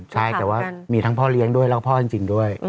ใช่แต่ว่ามีทั้งพ่อเลี้ยงด้วยแล้วก็พ่อจริงด้วย